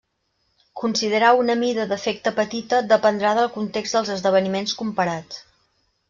Considerar una mida d'efecte petita dependrà del context dels esdeveniments comparats.